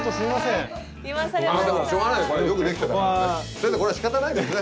先生これしかたないですね。